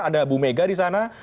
ada bu mega di sana